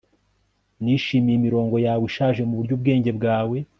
Nishimiye imirongo yawe ishaje nuburyo ubwenge bwawe